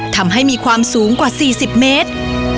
ทำให้มีความสูงกว่า๔๐เมตร